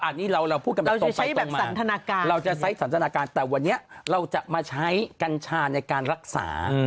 อันนี้เราพูดกันแบบสงสัยเราจะใช้สันทนาการแต่วันนี้เราจะมาใช้กัญชาในการรักษา